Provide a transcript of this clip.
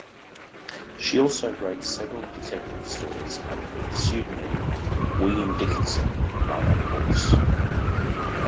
She also wrote several detective stories under the pseudonym "William Dickinson", among other books.